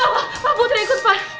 pak pak pak putri ikut pak